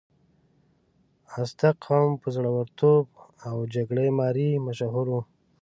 ازتک قوم په زړورتوب او جګړې مارۍ مشهور و.